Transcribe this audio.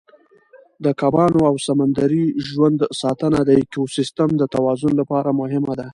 د کبانو او سمندري ژوند ساتنه د ایکوسیستم د توازن لپاره مهمه ده.